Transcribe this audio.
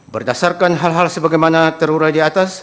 berdasarkan hal hal sebagaimana terurai di atas